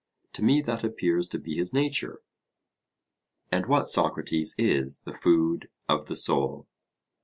To me that appears to be his nature. And what, Socrates, is the food of the soul?